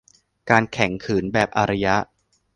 การแข็งขืนแบบอารยะ